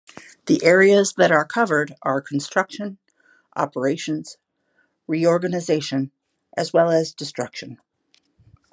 The areas that are covered are construction, operations, reorganization, as well as destruction.